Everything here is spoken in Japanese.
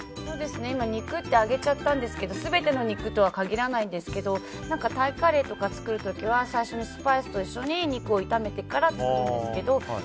今、肉って上げちゃったんですけど全ての肉とは限らないですけどタイカレーとか作る時は最初にスパイスと一緒に肉を炒めてから作るんですけど。